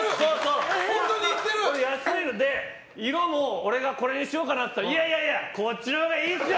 色も、俺がこれにしようかなって言ったらこっちのほうがいいですよ！